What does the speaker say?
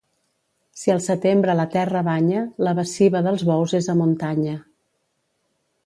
Si el setembre la terra banya, la baciva dels bous és a muntanya.